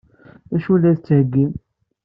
D acu ay la d-tettheyyim?